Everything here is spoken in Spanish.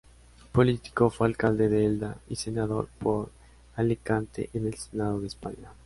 Político, fue alcalde de Elda y senador por Alicante en el Senado de España.